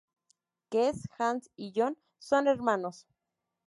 Kes, Hans y Jon son hermanos.